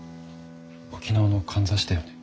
沖縄のかんざしだよね。